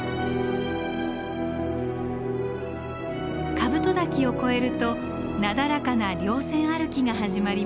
カブト嶽を越えるとなだらかな稜線歩きが始まります。